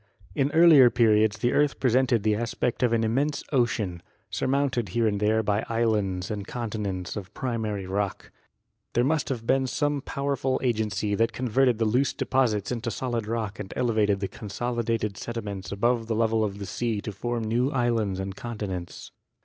In earlier periods the earth presented the aspect of an immense ocean, surmounted here and there by islands and continents of primary rock. There must have been some powerful agency that converted the loose deposits into solid rock and elevated the consolidated sediments above the level of the sea to form new islands and continents.